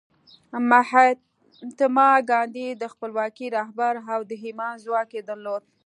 مهاتما ګاندي د خپلواکۍ رهبر و او د ایمان ځواک یې درلود